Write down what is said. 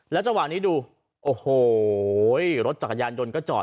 จังหวะนี้ดูโอ้โหรถจักรยานยนต์ก็จอด